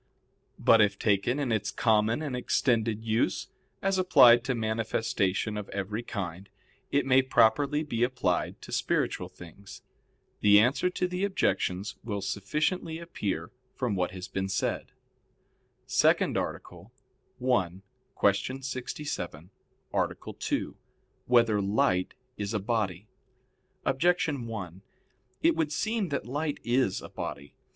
But if taken in its common and extended use, as applied to manifestation of every kind, it may properly be applied to spiritual things. The answer to the objections will sufficiently appear from what has been said. _______________________ SECOND ARTICLE [I, Q. 67, Art. 2] Whether Light Is a Body? Objection 1: It would seem that light is a body.